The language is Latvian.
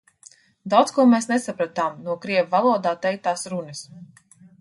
Daudz ko mēs nesapratām no krievu valodā teiktās runas.